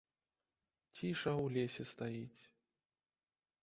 Ціша ў лесе стаіць.